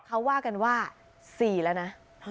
เขาว่ากันว่า๔แล้วนะ